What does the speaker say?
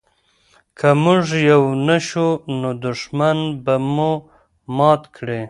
که موږ یو نه شو نو دښمن به مو مات کړي.